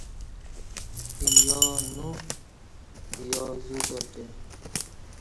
یا نویا زو کرٹہ